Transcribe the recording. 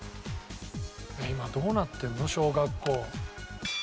今どうなってるの？小学校。